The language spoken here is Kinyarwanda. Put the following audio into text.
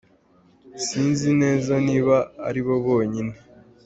Sinzi neza niba ari bo bonyine.”